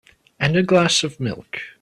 And a glass of milk.